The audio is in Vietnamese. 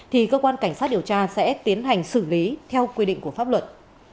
thì cơ quan cảnh sát điều tra sẽ tiến hành xử lý theo quy định của pháp luật